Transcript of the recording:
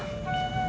udah punya anak